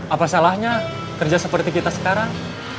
apa salahnya kerja seperti kita sekarang